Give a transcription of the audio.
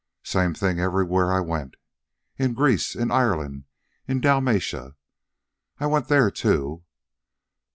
"Same thing everywhere I went, in Greece, in Ireland, in Dalmatia I went there, too.